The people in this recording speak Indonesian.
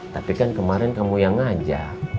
tapi kan kemarin kamu yang ngajak